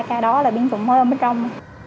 cả ba ca đó là biến phục mới ở bên trong